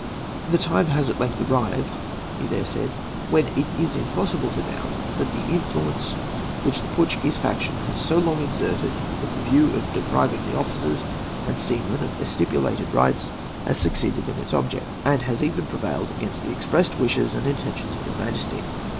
"The time has at length arrived," he there said, "when it is impossible to doubt that the influence which the Portuguese faction has so long exerted, with the view of depriving the officers and seamen of their stipulated rights, has succeeded in its object, and has even prevailed against the expressed wishes and intentions of your Majesty.